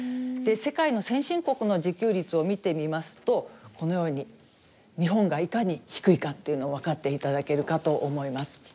世界の先進国の自給率を見てみますとこのように日本がいかに低いかというのを分かっていただけるかと思います。